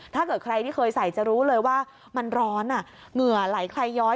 ถ้าเกิดใครที่เคยใส่จะรู้เลยว่ามันร้อนเหงื่อไหลใครย้อย